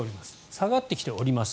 下がってきております。